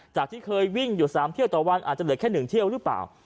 จากที่เคยวิ่งอยู่๓เที่ยวต่อวันอาจจะเหลือแค่๑เที่ยวหรือเปล่า